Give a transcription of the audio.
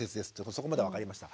そこまでは分かりました。